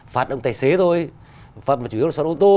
phạt ông tài xế thôi phạt mà chủ yếu